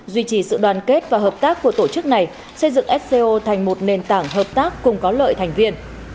duy trì sự đoàn kết và hợp tác của tổ chức này xây dựng sco thành một nền tảng hợp tác cùng có lợi thành viên